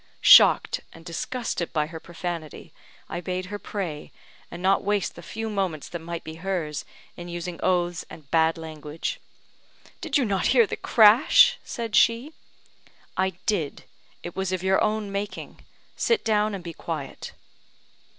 Shocked and disgusted at her profanity, I bade her pray, and not waste the few moments that might be hers in using oaths and bad language. "Did you not hear the crash?" said she. "I did; it was of your own making. Sit down and be quiet."